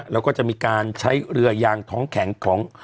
แล้วก็จะมีการใช้เรือยางท้องแข็งของ